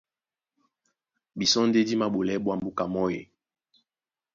Bisɔ́ ɓéná dí māɓolɛɛ́ ɓwǎm̀ búka mɔ́ e?